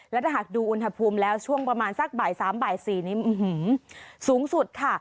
และถ้าหากดูอุณหภูมิแล้วช่วงประมาณสักบ่าย๓บ่าย๔นี้สูงสุดค่ะ